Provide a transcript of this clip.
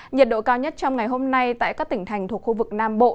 nhiệt độ cao nhất trong ngày hôm nay tại các tỉnh thành thuộc khu vực nam bộ